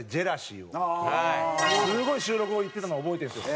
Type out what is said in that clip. すごい収録後言ってたのを覚えてるんですよ。